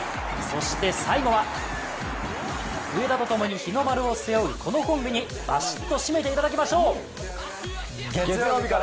そして最後は上田とともに日の丸を背負うこのコンビにばしっと締めていただきましょう。